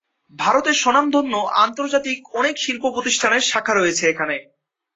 ভারতের স্বনামধন্য ও আন্তর্জাতিক অনেক শিল্প প্রতিষ্ঠানের শাখা রয়েছে এখানে।